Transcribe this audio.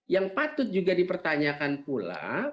yang patut juga dipertanyakan pula